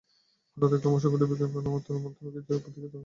হঠাৎ দেখলাম অসংখ্য টিভি ক্যামেরা নত্র দাম গির্জার দিকে তাক করা।